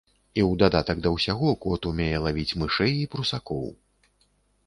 І ў дадатак да ўсяго кот умее лавіць мышэй і прусакоў.